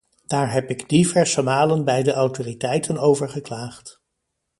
Daar heb ik diverse malen bij de autoriteiten over geklaagd.